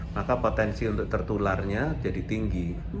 maka potensi untuk tertularnya jadi tinggi